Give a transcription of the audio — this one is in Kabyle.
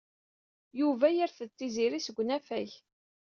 Yuba yerfed Tiziri seg unafag.